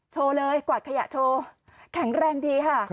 โชว์เลยกวาดขยะโชว์แข็งแรงดีค่ะ